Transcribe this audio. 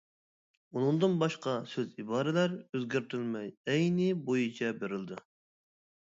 ئۇنىڭدىن باشقا سۆز ئىبارىلەر ئۆزگەرتىلمەي ئەينى بويىچە بېرىلدى.